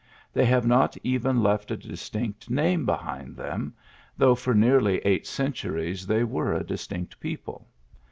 They have not even left a distinct name behind them, though for nearly eight centuries they were a distinct people.